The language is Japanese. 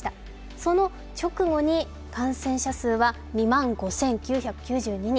その直後に感染者数は２万５９９２人。